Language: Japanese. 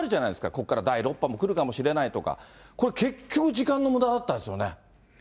ここから第６波も来るかもしれないとか、これ、結局時間のむだだったですよね。